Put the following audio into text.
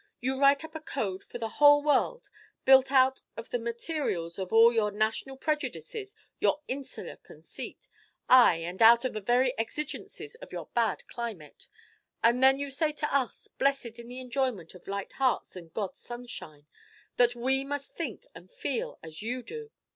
You write up a code for the whole world, built out of the materials of all your national prejudices, your insular conceit, ay, and out of the very exigencies of your bad climate; and then you say to us, blessed in the enjoyment of light hearts and God's sunshine, that we must think and feel as you do!